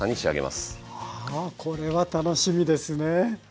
あこれは楽しみですね。